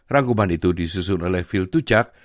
rangkuman itu disusun oleh phil tujak